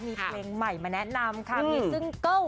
มีเพลงใหม่มาแนะนำหรือยี่ซึ่งเก้า